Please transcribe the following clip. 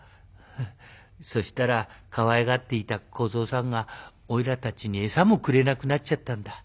そしたらかわいがっていた小僧さんがおいらたちに餌もくれなくなっちゃったんだ。